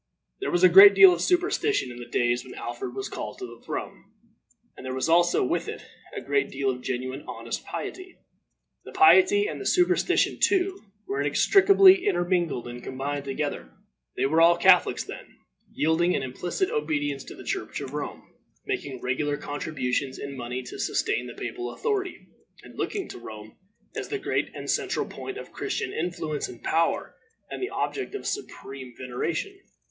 There was a great deal of superstition in the days when Alfred was called to the throne, and there was also, with it, a great deal of genuine honest piety. The piety and the superstition, too, were inextricably intermingled and combined together. They were all Catholics then, yielding an implicit obedience to the Church of Rome, making regular contributions in money to sustain the papal authority, and looking to Rome as the great and central point of Christian influence and power, and the object of supreme veneration.